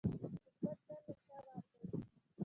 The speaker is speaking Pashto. دښمن تل له شا وار کوي